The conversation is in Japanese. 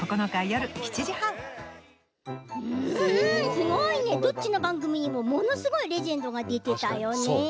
すごいねどっちの番組にも、ものすごいレジェンドが出ていたよね。